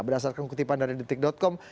berdasarkan kutipan dari detik com